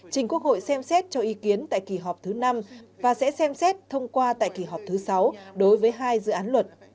trình quốc hội xem xét cho ý kiến tại kỳ họp thứ năm và sẽ xem xét thông qua tại kỳ họp thứ sáu đối với hai dự án luật